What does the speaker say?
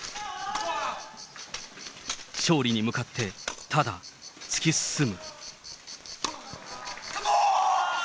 勝利に向かって、ただ突き進む。